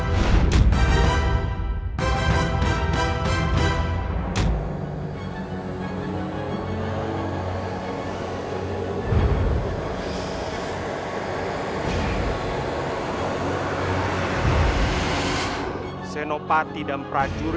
jika penjualan tidak berhasil